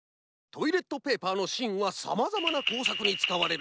トイレットペーパーのしんはさまざまなこうさくにつかわれる。